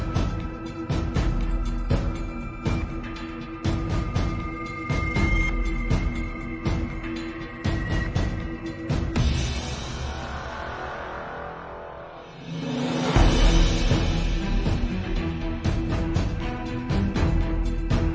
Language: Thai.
สุดท้ายสุดท้ายพื้นมา